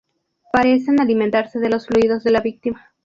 Parecen alimentarse de los fluidos de la víctima.